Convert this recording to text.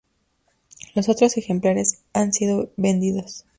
Los otros ejemplares han sido vendidos.